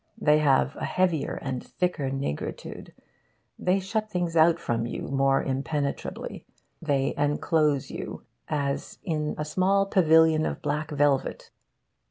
They have a heavier and thicker nigritude. They shut things out from you more impenetrably. They enclose you as in a small pavilion of black velvet.